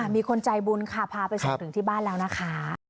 มีคนใจบุญค่ะพาไปส่งถึงที่บ้านแล้วนะคะ